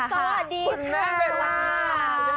สวัสดีคุณแม่ปรานีค่ะ